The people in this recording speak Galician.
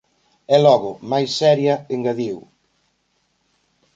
E logo, máis seria, engadiu: